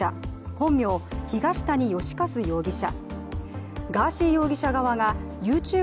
本名・東谷義和容疑者。